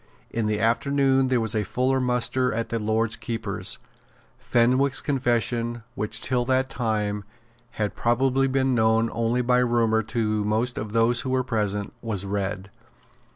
In the afternoon there was a fuller muster at the Lord Keeper's. Fenwick's confession, which, till that time, had probably been known only by rumour to most of those who were present, was read.